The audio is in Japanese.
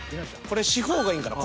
これ四方がいいんかな。